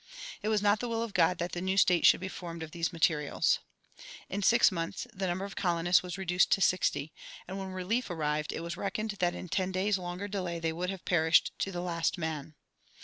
"It was not the will of God that the new state should be formed of these materials."[41:1] In six months the number of the colonists was reduced to sixty, and when relief arrived it was reckoned that in ten days' longer delay they would have perished to the last man.